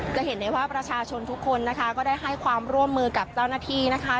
จะเห็นได้ว่าประชาชนทุกคนนะคะก็ได้ให้ความร่วมมือกับเจ้าหน้าที่นะคะ